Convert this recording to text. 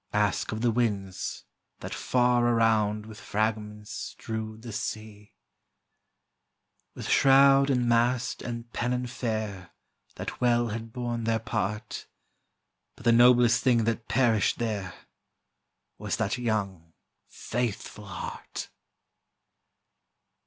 Ask of the winds, that far around With fragments strewed the sea, With shroud and mast and pennon fair, That well had borne their part, But the noblest thing that perished there Was that young, faithful heart.